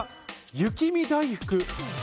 雪見だいふく八